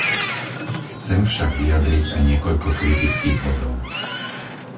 Chcem však vyjadriť aj niekoľko kritických bodov.